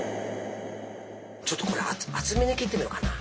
ちょっとこれ厚めに切ってみようかな。